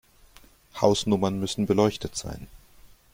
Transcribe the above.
Hausnummern müssen beleuchtet sein.